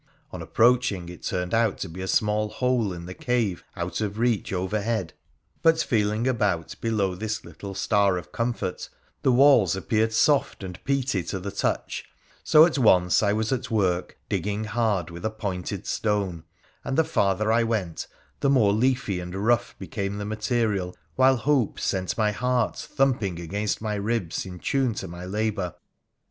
On approaching, it turned out to be a small hole in the cave out of reach overhead ; but, feeling about below this little star of comfort, the walls appeared soft and peaty to the touch, so at once I was at work digging hard, with a pointed stone ; and the farther I went the more leafy and rough became the material, while hope sent my heart thumping against my riba in tune to my labour.